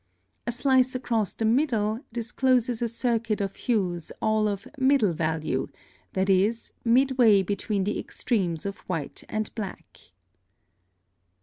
A slice across the middle discloses a circuit of hues all of MIDDLE VALUE; that is, midway between the extremes of white and black.